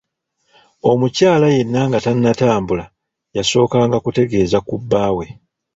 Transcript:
Omukyala yenna nga tannatambula yasookanga kutegeeza ku bbaawe.